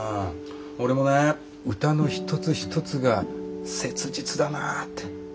俺もね歌の一つ一つが切実だなぁって。